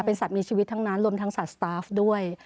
สัตว์มีชีวิตทั้งนั้นรวมทั้งสัตว์สตาฟด้วย